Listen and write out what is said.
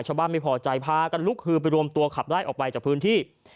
ชาวบ้านไม่พอใจพากันลุกคือไปรวมตัวขับไล่ออกไปจากพื้นที่